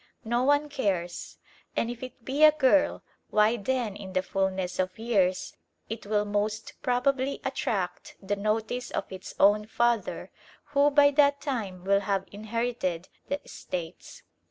No one cares; and if it be a girl, why then in the fullness of years it will most probably attract the notice of its own father, who by that time will have inherited the estates.